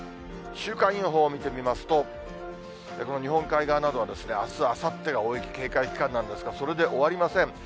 週間予報を見てみますと、この日本海側などはですね、あす、あさってが大雪警戒期間なんですが、それで終わりません。